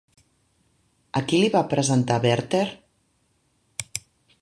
A qui li va presentar Werther?